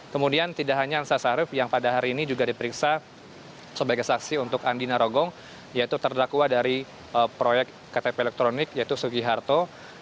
kemudian tidak hanya ansa sarif yang pada hari ini juga diperiksa sebagai saksi untuk andina rogong yaitu terdakwa dari proyek ktp elektronik yaitu sugiharto